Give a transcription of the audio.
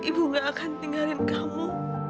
ibu tidak akan meninggalkan kamu